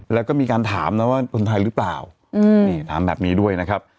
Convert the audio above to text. แล้วก็มีการถามนะว่าคนไทยหรือเปล่านี่ถามแบบนี้ด้วยนะครับ